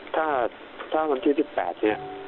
ถ้าวันที่๑๘เนี่ย